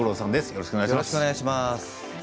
よろしくお願いします。